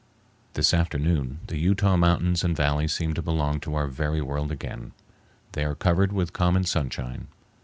This afternoon the Utah mountains and valleys seem to belong to our own very world again. They are covered with common sunshine.